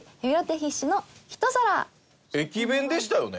駅弁でしたよね？